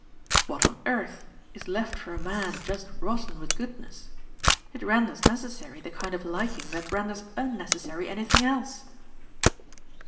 What on earth is left for a man just rotten with goodness? It renders necessary the kind of liking that renders unnecessary anything else."